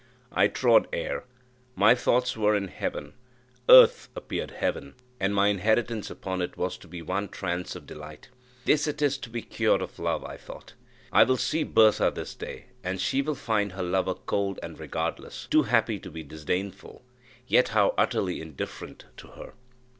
I trod air my thoughts were in heaven. Earth appeared heaven, and my inheritance upon it was to be one trance of delight. "This it is to be cured of love," I thought; "I will see Bertha this day, and she will find her lover cold and regardless; too happy to be disdainful, yet how utterly indifferent to her!"